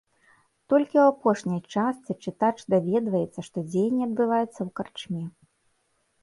Толькі ў апошняй частцы чытач даведваецца, што дзеянне адбываецца ў карчме.